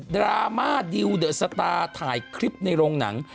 ราม่าดิวเดอะสตาร์ถ่ายคลิปในโรงหนัง